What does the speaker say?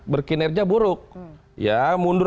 berkinerja buruk ya mundur